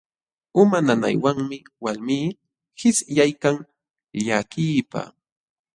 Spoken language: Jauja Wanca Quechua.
Uma nanaywanmi walmii qishyaykan llakiypaq.